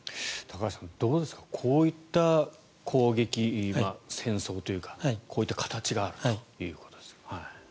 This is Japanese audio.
高橋さん、どうですかこういった攻撃戦争というかこういった形があると。